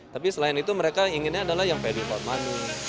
tapi selain itu mereka inginnya adalah yang paddy for money